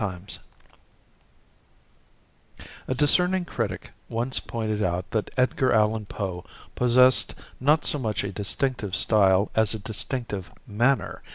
net _A discerning critic once pointed out that Edgar Allen Poe possessed not so much a distinctive style as a distinctive manner.